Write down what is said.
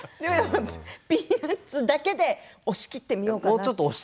笑い声ピーナツだけで押しきってみようかなと。